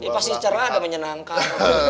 pasti cerah ada menyenangkan